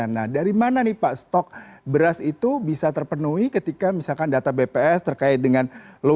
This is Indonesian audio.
nah dari mana nih pak stok beras itu bisa terpenuhi ketika misalkan data bps terkait dengan logis